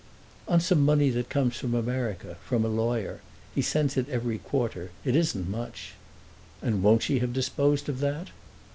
"On some money that comes from America, from a lawyer. He sends it every quarter. It isn't much!" "And won't she have disposed of that?"